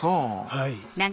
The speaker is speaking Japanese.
はい。